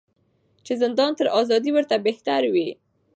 چي زندان تر آزادۍ ورته بهتر وي